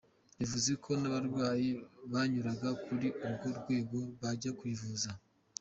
Bivuze ko n’abarwayi banyuraga kuri urwo rwego bajya kwivuza.